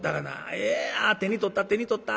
ええあっ手に取った手に取った。